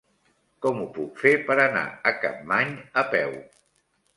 Com ho puc fer per anar a Capmany a peu?